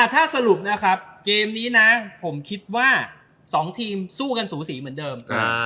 ถ้าสรุปนะครับเกมนี้นะผมคิดว่า๒ทีมสู้กันสูสีเหมือนเดิม